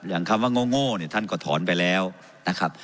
คำว่าโง่เนี่ยท่านก็ถอนไปแล้วนะครับ